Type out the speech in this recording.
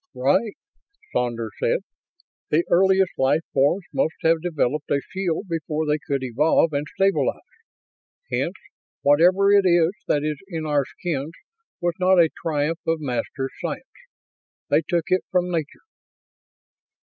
"Right," Saunders said. "The earliest life forms must have developed a shield before they could evolve and stabilize. Hence, whatever it is that is in our skins was not a triumph of Masters' science. They took it from Nature."